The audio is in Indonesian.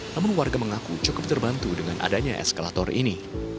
namun warga mengaku cukup terbantu dengan adanya eskalator ini